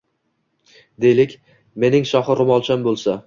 — Deylik, mening shohi ro‘molcham bo‘lsa